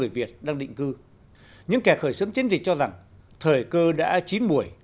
việt đang định cư những kẻ khởi sớm chiến dịch cho rằng thời cơ đã chín buổi